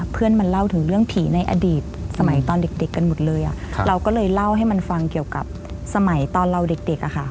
เพื่อนมันเล่าถึงเรื่องผีในอดีตสมัยตอนเด็กกันหมดเลยเราก็เลยเล่าให้มันฟังเกี่ยวกับสมัยตอนเราเด็กอะค่ะ